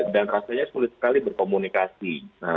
dan rasanya sulit sekali berkomunikasi